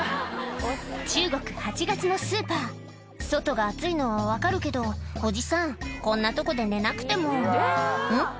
中国８月のスーパー外が暑いのは分かるけどおじさんこんなとこで寝なくてもん？